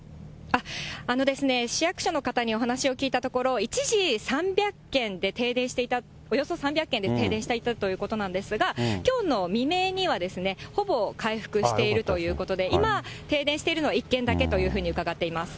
市役所の方にお話を聞いたところ、一時、３００軒で停電していた、およそ３００軒で停電していたということなんですが、きょうの未明には、ほぼ回復しているということで、今、停電しているのは１軒だけだというふうに伺っています。